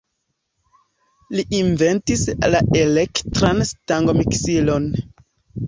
Li inventis la elektran stangomiksilon.